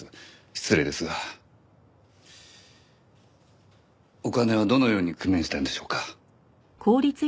失礼ですがお金はどのように工面したんでしょうか？